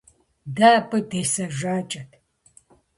Дэ абы десэжакӀэт.